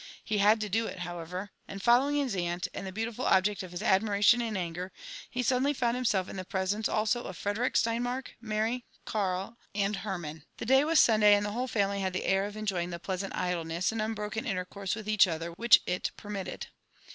^ He ''bad to do il," however ; and fol^ lowing his aunt, and th^ beautiful object of his admiration and anger, be suddenly found himself ia (be presencealso of Frederick Steiofloark, Mary, Karl and Hermann. The day was Sunday, and the whole family had the air of 6fl}<>yiH(g fbe {feasant idleness, and unbroken intercourse with ei^h other, which it permitted.